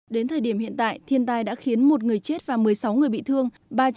đến thời điểm hiện tại thiên tai đã khiến một người chết và một mươi sáu người bị thương